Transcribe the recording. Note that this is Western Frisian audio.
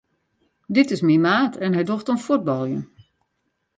Dit is myn maat en hy docht oan fuotbaljen.